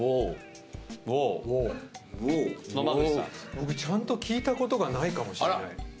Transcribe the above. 僕ちゃんと聞いたことがないかもしれない。